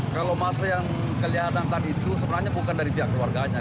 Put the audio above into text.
kalau masa yang kelihatan tadi itu sebenarnya bukan dari pihak keluarganya